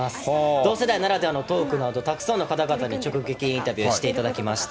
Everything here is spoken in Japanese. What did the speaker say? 同世代ならではのトークなど、たくさんの方々に直撃インタビューしていただきました。